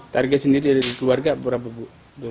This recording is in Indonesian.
target sendiri dari keluarga berapa bu